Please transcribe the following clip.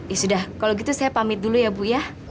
ya sudah kalau gitu saya pamit dulu ya bu ya